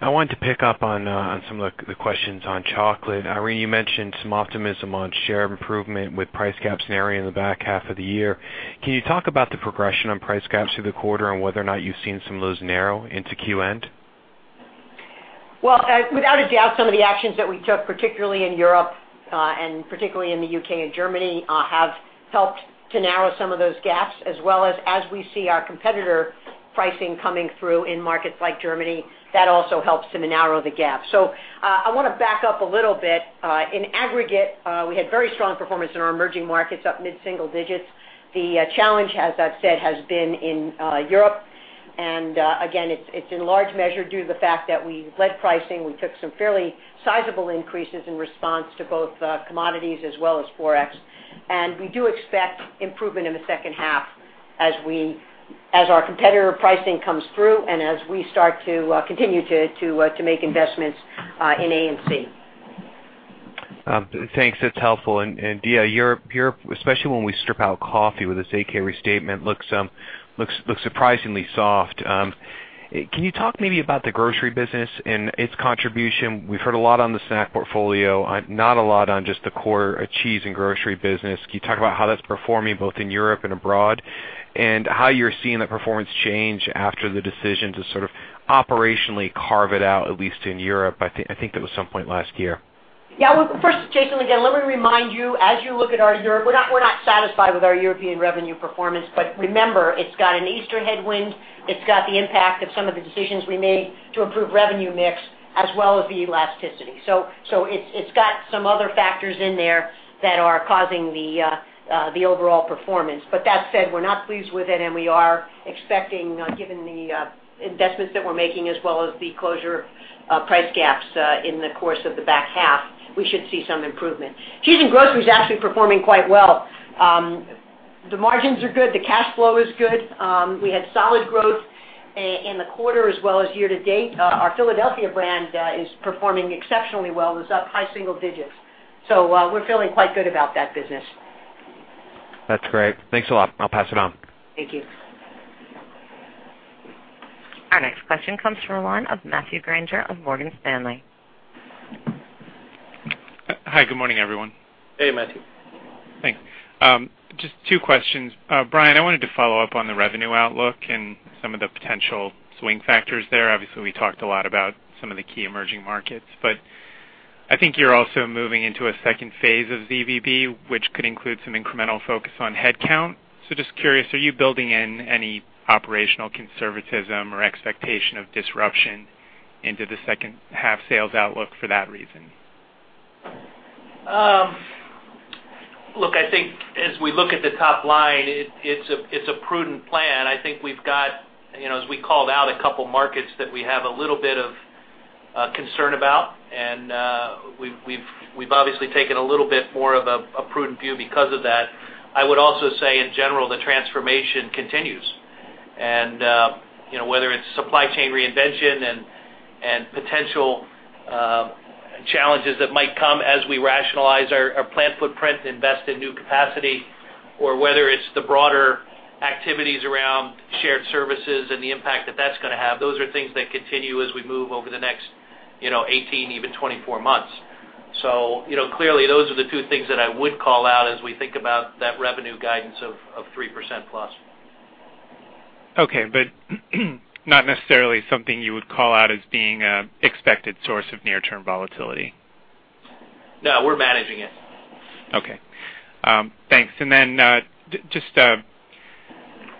I wanted to pick up on some of the questions on chocolate. Irene, you mentioned some optimism on share improvement with price gaps narrowing in the back half of the year. Can you talk about the progression on price gaps through the quarter and whether or not you've seen some of those narrow into Q end? Without a doubt, some of the actions that we took, particularly in Europe and particularly in the U.K. and Germany, have helped to narrow some of those gaps, as well as we see our competitor pricing coming through in markets like Germany, that also helps to narrow the gap. I want to back up a little bit. In aggregate, we had very strong performance in our emerging markets, up mid-single digits. The challenge, as I've said, has been in Europe, and again, it's in large measure due to the fact that we led pricing. We took some fairly sizable increases in response to both commodities as well as Forex. We do expect improvement in the second half as our competitor pricing comes through and as we start to continue to make investments in A&C. Thanks. That's helpful. Yeah, Europe, especially when we strip out coffee with this 8-K restatement, looks surprisingly soft. Can you talk maybe about the grocery business and its contribution? We've heard a lot on the snack portfolio, not a lot on just the core cheese and grocery business. Can you talk about how that's performing both in Europe and abroad, and how you're seeing the performance change after the decision to sort of operationally carve it out, at least in Europe? I think that was some point last year. Yeah. First, Jason, again, let me remind you, as you look at our Europe, we're not satisfied with our European revenue performance. Remember, it's got an Easter headwind. It's got the impact of some of the decisions we made to improve revenue mix as well as the elasticity. It's got some other factors in there that are causing the overall performance. That said, we're not pleased with it, and we are expecting, given the investments that we're making as well as the closure of price gaps in the course of the back half, we should see some improvement. Cheese and grocery is actually performing quite well. The margins are good. The cash flow is good. We had solid growth in the quarter as well as year to date. Our Philadelphia brand is performing exceptionally well. It was up high single digits. We're feeling quite good about that business. That's great. Thanks a lot. I'll pass it on. Thank you. Our next question comes from the line of Matthew Grainger of Morgan Stanley. Hi, good morning, everyone. Hey, Matthew. Thanks. Just two questions. Brian, I wanted to follow up on the revenue outlook and some of the potential swing factors there. Obviously, we talked a lot about some of the key emerging markets, I think you're also moving into a second phase of ZBB, which could include some incremental focus on headcount. Just curious, are you building in any operational conservatism or expectation of disruption into the second half sales outlook for that reason? Look, I think as we look at the top line, it's a prudent plan. I think we've got, as we called out, a couple markets that we have a little bit of concern about, and we've obviously taken a little bit more of a prudent view because of that. I would also say, in general, the transformation continues. Whether it's supply chain reinvention and potential challenges that might come as we rationalize our plant footprint, invest in new capacity, or whether it's the broader activities around shared services and the impact that that's going to have, those are things that continue as we move over the next 18, even 24 months. Clearly, those are the two things that I would call out as we think about that revenue guidance of 3% plus. Okay, not necessarily something you would call out as being an expected source of near-term volatility. No, we're managing it. Okay. Thanks. Just,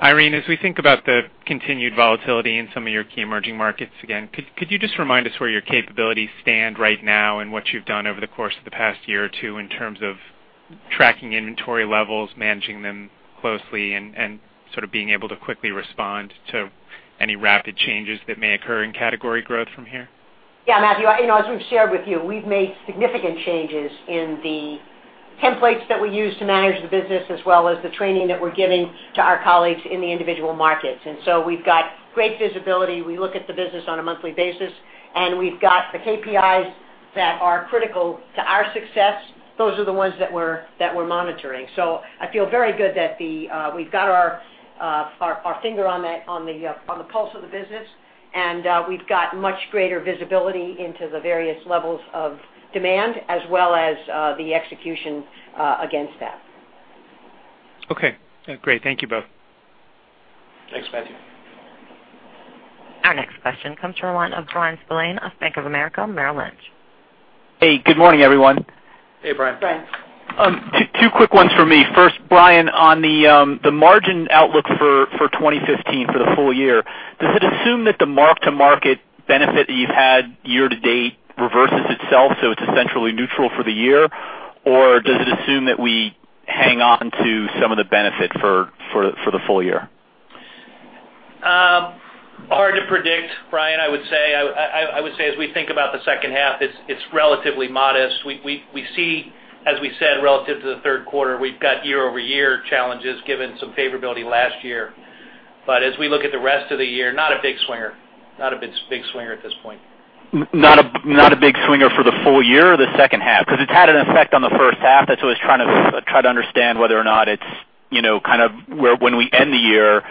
Irene, as we think about the continued volatility in some of your key emerging markets, again, could you just remind us where your capabilities stand right now and what you've done over the course of the past year or two in terms of tracking inventory levels, managing them closely, and sort of being able to quickly respond to any rapid changes that may occur in category growth from here? Yeah, Matthew, as we've shared with you, we've made significant changes in the templates that we use to manage the business, as well as the training that we're giving to our colleagues in the individual markets. We've got great visibility. We look at the business on a monthly basis, and we've got the KPIs that are critical to our success. Those are the ones that we're monitoring. I feel very good that we've got our finger on the pulse of the business, and we've got much greater visibility into the various levels of demand as well as the execution against that. Okay, great. Thank you both. Thanks, Matthew. Our next question comes from the line of Bryan Spillane of Bank of America Merrill Lynch. Hey, good morning, everyone. Hey, Bryan. Brian. Two quick ones for me. First, Brian, on the margin outlook for 2015 for the full year, does it assume that the mark-to-market benefit that you've had year-to-date reverses itself, so it's essentially neutral for the year? Or does it assume that we hang on to some of the benefit for the full year? Hard to predict, Brian, I would say. I would say as we think about the second half, it's relatively modest. We see, as we said, relative to the third quarter, we've got year-over-year challenges given some favorability last year. As we look at the rest of the year, not a big swinger at this point. Not a big swinger for the full year or the second half? It's had an effect on the first half. That's what I was trying to understand whether or not it's kind of when we end the year,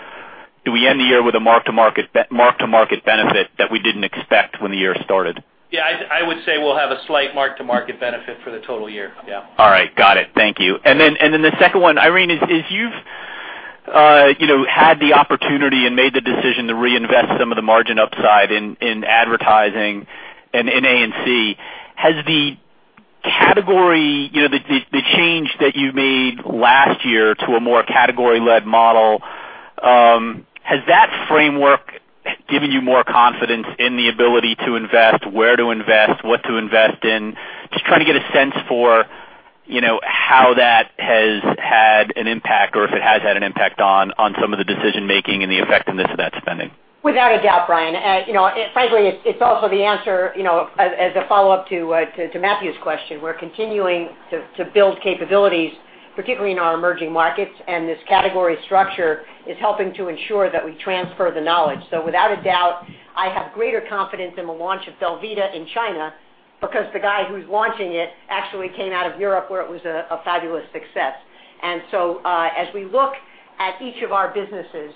do we end the year with a mark-to-market benefit that we didn't expect when the year started? Yeah, I would say we'll have a slight mark-to-market benefit for the total year. Yeah. All right, got it. Thank you. The second one, Irene, as you've had the opportunity and made the decision to reinvest some of the margin upside in advertising and in A&C. Has the change that you made last year to a more category-led model, has that framework given you more confidence in the ability to invest, where to invest, what to invest in? Just trying to get a sense for how that has had an impact or if it has had an impact on some of the decision making and the effectiveness of that spending. Without a doubt, Bryan. Frankly, it's also the answer, as a follow-up to Matthew's question. We're continuing to build capabilities, particularly in our emerging markets, and this category structure is helping to ensure that we transfer the knowledge. Without a doubt, I have greater confidence in the launch of belVita in China because the guy who's launching it actually came out of Europe, where it was a fabulous success. As we look at each of our businesses,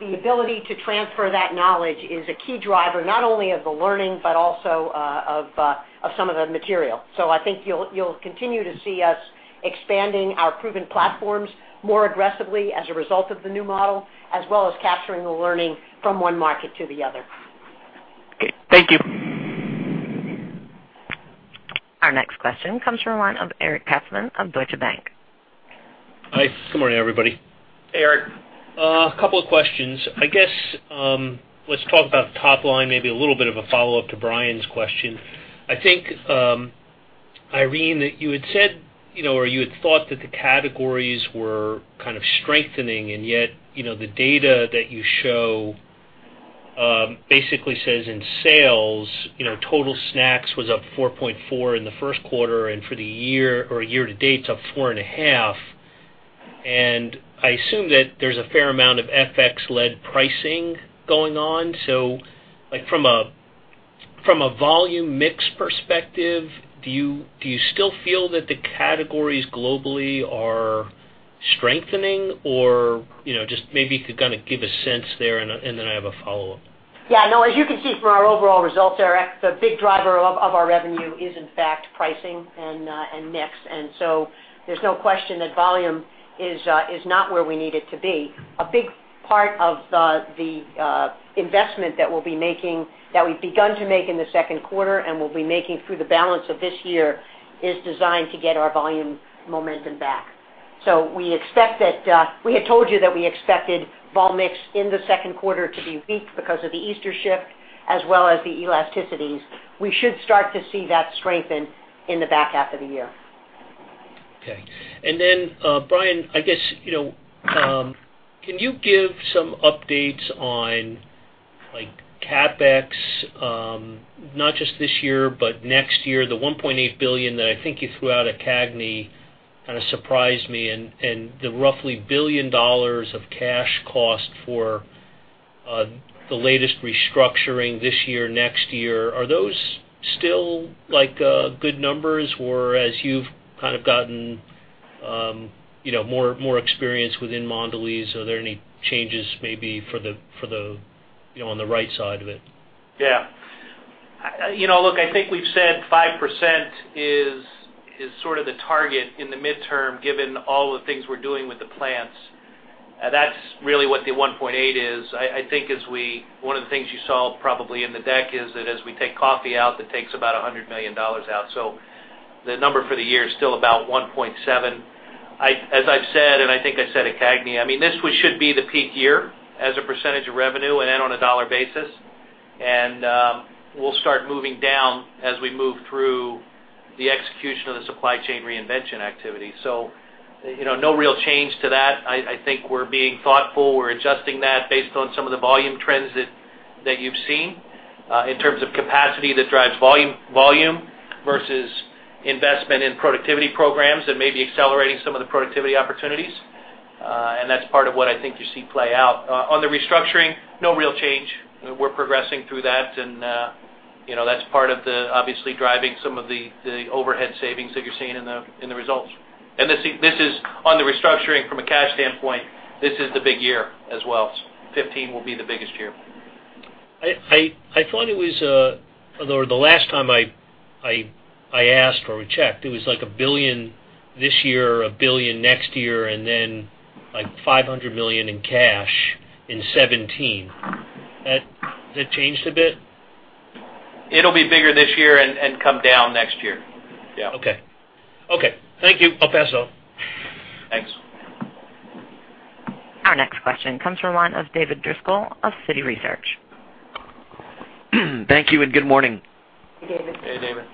the ability to transfer that knowledge is a key driver, not only of the learning, but also of some of the material. I think you'll continue to see us expanding our proven platforms more aggressively as a result of the new model, as well as capturing the learning from one market to the other. Okay. Thank you. Our next question comes from the line of Eric Katzman of Deutsche Bank. Hi, good morning, everybody. Hey, Eric. A couple of questions. I guess, let's talk about the top line, maybe a little bit of a follow-up to Brian's question. I think, Irene, you had said or you had thought that the categories were kind of strengthening, and yet, the data that you show basically says in sales, total snacks was up 4.4% in the first quarter and for the year or year to date to 4.5%. I assume that there's a fair amount of FX-led pricing going on. From a volume/mix perspective, do you still feel that the categories globally are strengthening or just maybe you could give a sense there, and then I have a follow-up. As you can see from our overall results, Eric, the big driver of our revenue is in fact pricing and mix. There's no question that volume is not where we need it to be. A big part of the investment that we've begun to make in the second quarter and will be making through the balance of this year is designed to get our volume momentum back. We had told you that we expected vol mix in the second quarter to be weak because of the Easter shift as well as the elasticities. We should start to see that strengthen in the back half of the year. Brian, can you give some updates on CapEx, not just this year, but next year, the $1.8 billion that I think you threw out at CAGNY surprised me and the roughly $1 billion of cash cost for the latest restructuring this year, next year. Are those still good numbers or as you've gotten more experience within Mondelez International, are there any changes maybe on the right side of it? I think we've said 5% is the target in the midterm given all the things we're doing with the plants. That's really what the $1.8 is. One of the things you saw in the deck is that as we take coffee out, that takes about $100 million out. The number for the year is still about $1.7. As I've said, I said at CAGNY, this should be the peak year as a percentage of revenue and then on a dollar basis. We'll start moving down as we move through the execution of the supply chain reinvention activity. No real change to that. I think we're being thoughtful. We're adjusting that based on some of the volume trends that you've seen in terms of capacity that drives volume versus investment in productivity programs and maybe accelerating some of the productivity opportunities. That's part of what you see play out. On the restructuring, no real change. We're progressing through that's part of driving some of the overhead savings that you're seeing in the results. This is on the restructuring from a cash standpoint. This is the big year as well. 2015 will be the biggest year. I thought it was, although the last time I asked or we checked, it was like $1 billion this year, $1 billion next year, and then like $500 million in cash in 2017. Has that changed a bit? It'll be bigger this year and come down next year. Yeah. Okay. Thank you. I'll pass off. Thanks. Our next question comes from David Driscoll of Citi Research. Thank you and good morning. Hey, David. Hey, David.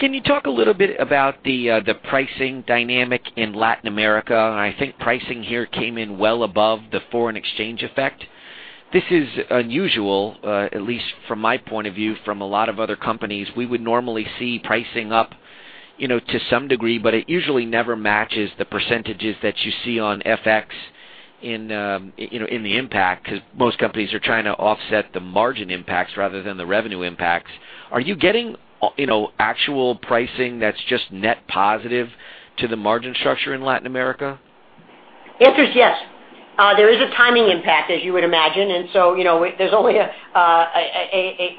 Can you talk a little bit about the pricing dynamic in Latin America? I think pricing here came in well above the foreign exchange effect. This is unusual, at least from my point of view, from a lot of other companies. We would normally see pricing up to some degree, but it usually never matches the percentages that you see on FX in the impact because most companies are trying to offset the margin impacts rather than the revenue impacts. Are you getting actual pricing that's just net positive to the margin structure in Latin America? The answer is yes. There is a timing impact, as you would imagine. I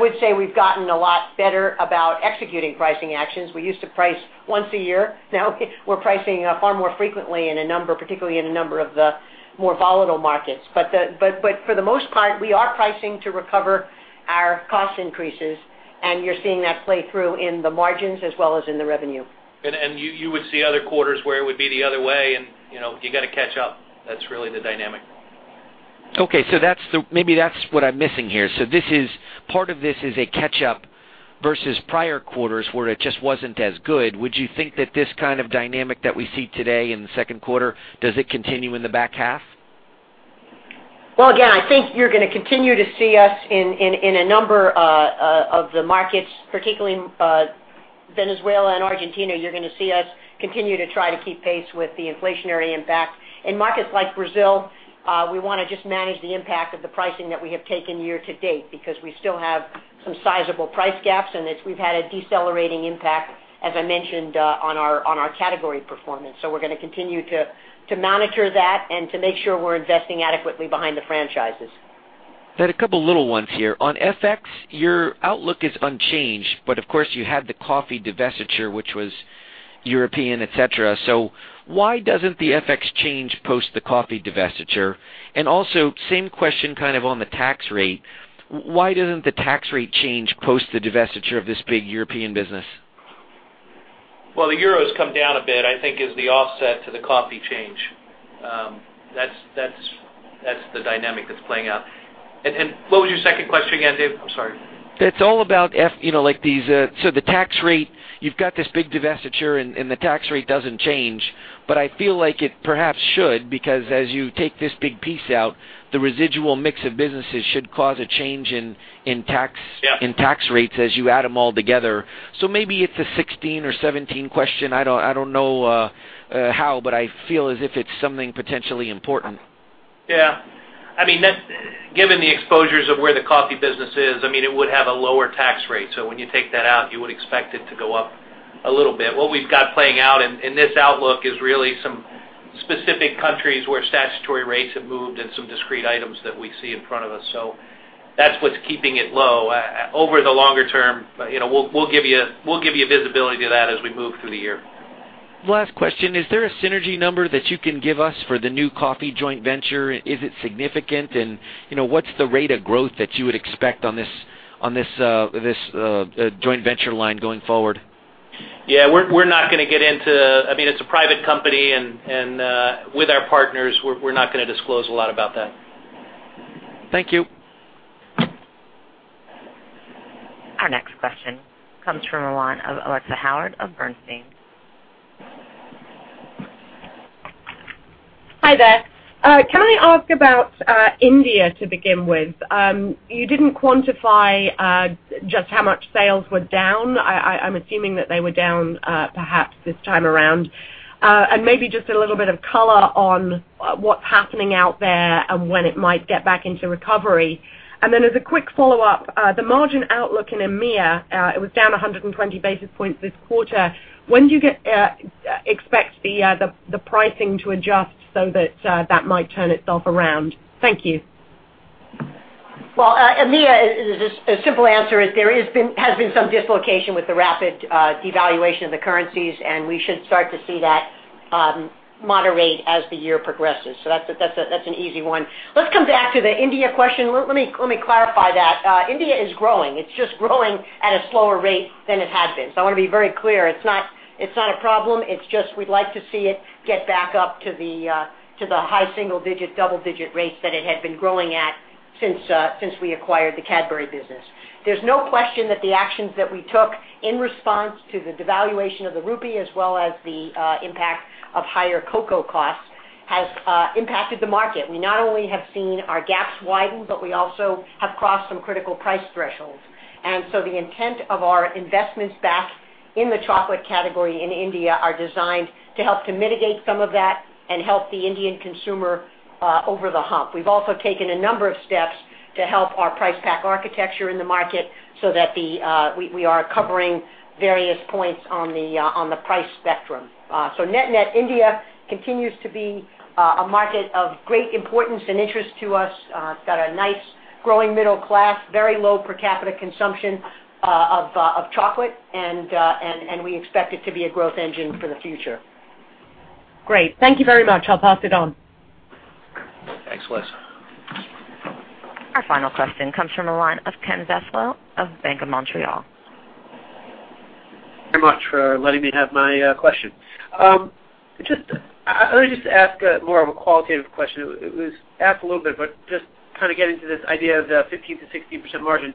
would say we've gotten a lot better about executing pricing actions. We used to price once a year. Now we're pricing far more frequently, particularly in a number of the more volatile markets. For the most part, we are pricing to recover our cost increases, and you're seeing that play through in the margins as well as in the revenue. You would see other quarters where it would be the other way, and you got to catch up. That's really the dynamic. Okay. Maybe that's what I'm missing here. Part of this is a catch-up versus prior quarters where it just wasn't as good. Would you think that this kind of dynamic that we see today in the second quarter, does it continue in the back half? Again, I think you're going to continue to see us in a number of the markets, particularly Venezuela and Argentina, you're going to see us continue to try to keep pace with the inflationary impact. In markets like Brazil, we want to just manage the impact of the pricing that we have taken year to date because we still have some sizable price gaps, and we've had a decelerating impact, as I mentioned, on our category performance. We're going to continue to monitor that and to make sure we're investing adequately behind the franchises. Got a couple little ones here. On FX, your outlook is unchanged. Of course, you had the coffee divestiture, which was European, et cetera. Why doesn't the FX change post the coffee divestiture? Also, same question on the tax rate. Why doesn't the tax rate change post the divestiture of this big European business? Well, the euro's come down a bit, I think is the offset to the coffee change. That's the dynamic that's playing out. What was your second question again, Dave? I'm sorry. The tax rate, you've got this big divestiture. The tax rate doesn't change. I feel like it perhaps should, because as you take this big piece out, the residual mix of businesses should cause a change in tax- Yeah rates as you add them all together. Maybe it's a 16 or 17 question. I don't know how. I feel as if it's something potentially important. Yeah. Given the exposures of where the coffee business is, it would have a lower tax rate. When you take that out, you would expect it to go up a little bit. What we've got playing out in this outlook is really some specific countries where statutory rates have moved and some discrete items that we see in front of us. That's what's keeping it low. Over the longer term, we'll give you visibility to that as we move through the year. Last question. Is there a synergy number that you can give us for the new coffee joint venture? Is it significant? What's the rate of growth that you would expect on this joint venture line going forward? Yeah, it's a private company, and with our partners, we're not going to disclose a lot about that. Thank you. Our next question comes from the line of Alexia Howard of Bernstein. Hi there. Can I ask about India to begin with? You didn't quantify just how much sales were down. I'm assuming that they were down, perhaps this time around. Maybe just a little bit of color on what's happening out there and when it might get back into recovery. Then as a quick follow-up, the margin outlook in EMEA, it was down 120 basis points this quarter. When do you expect the pricing to adjust so that that might turn itself around? Thank you. Well, EMEA, a simple answer is there has been some dislocation with the rapid devaluation of the currencies, we should start to see that moderate as the year progresses. That's an easy one. Let's come back to the India question. Let me clarify that. India is growing. It's just growing at a slower rate than it had been. I want to be very clear. It's not a problem. It's just we'd like to see it get back up to the high single digit, double-digit rates that it had been growing at since we acquired the Cadbury business. There's no question that the actions that we took in response to the devaluation of the rupee, as well as the impact of higher cocoa costs, has impacted the market. We not only have seen our gaps widen, we also have crossed some critical price thresholds. The intent of our investments back in the chocolate category in India are designed to help to mitigate some of that and help the Indian consumer over the hump. We've also taken a number of steps to help our price pack architecture in the market so that we are covering various points on the price spectrum. Net-net, India continues to be a market of great importance and interest to us. It's got a nice growing middle class, very low per capita consumption of chocolate, we expect it to be a growth engine for the future. Great. Thank you very much. I'll pass it on. Thanks, Alexia. Our final question comes from the line of Ken Zaslow of Bank of Montreal. Thank you very much for letting me have my question. I wanted to just ask more of a qualitative question. It was asked a little bit, but just kind of getting to this idea of the 15%-16% margin.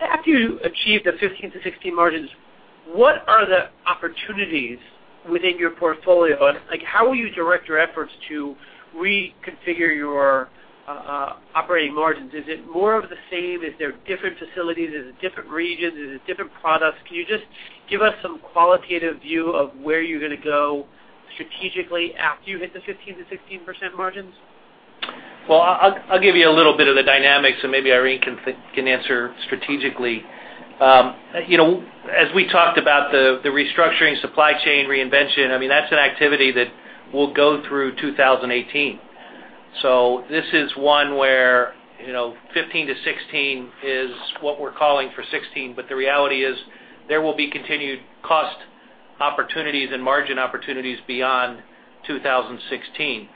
After you achieve the 15%-16% margins, what are the opportunities within your portfolio? How will you direct your efforts to reconfigure your operating margins? Is it more of the same? Is there different facilities? Is it different regions? Is it different products? Can you just give us some qualitative view of where you're going to go strategically after you hit the 15%-16% margins? Well, I'll give you a little bit of the dynamics, and maybe Irene can answer strategically. As we talked about the restructuring supply chain reinvention, that's an activity that will go through 2018. This is one where 2015 to 2016 is what we're calling for 2016, but the reality is there will be continued cost opportunities and margin opportunities beyond 2016.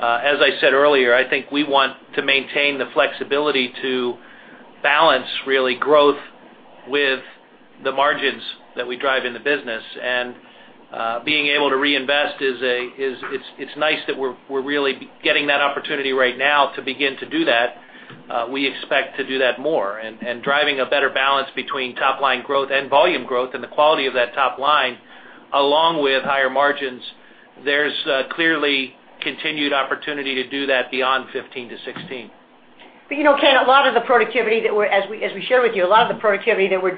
As I said earlier, I think we want to maintain the flexibility to balance really growth with the margins that we drive in the business. Being able to reinvest, it's nice that we're really getting that opportunity right now to begin to do that. We expect to do that more. Driving a better balance between top-line growth and volume growth and the quality of that top line, along with higher margins, there's clearly continued opportunity to do that beyond 2015 to 2016. Ken, as we share with you, a lot of the productivity that we're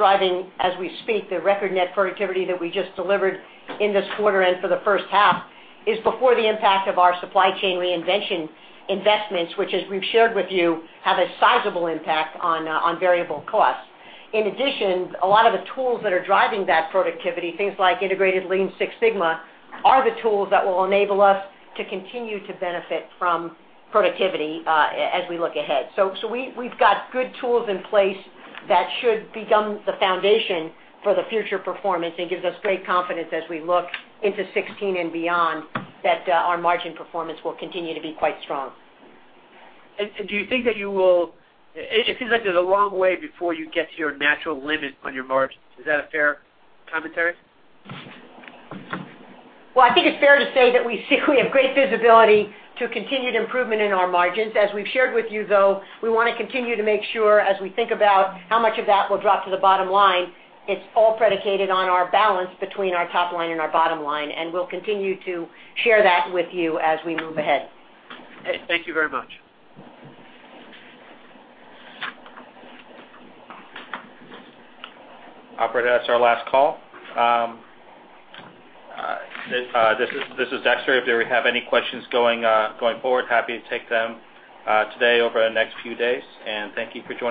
driving as we speak, the record net productivity that we just delivered in this quarter and for the first half, is before the impact of our supply chain reinvention investments, which as we've shared with you, have a sizable impact on variable costs. In addition, a lot of the tools that are driving that productivity, things like integrated Lean Six Sigma, are the tools that will enable us to continue to benefit from productivity as we look ahead. We've got good tools in place that should become the foundation for the future performance and gives us great confidence as we look into 2016 and beyond that our margin performance will continue to be quite strong. Do you think that it seems like there's a long way before you get to your natural limit on your margin. Is that a fair commentary? Well, I think it's fair to say that we have great visibility to continued improvement in our margins. As we've shared with you, though, we want to continue to make sure, as we think about how much of that will drop to the bottom line, it's all predicated on our balance between our top line and our bottom line, and we'll continue to share that with you as we move ahead. Thank you very much. Operator, that's our last call. This is Dexter. If you ever have any questions going forward, happy to take them today over the next few days. Thank you for joining.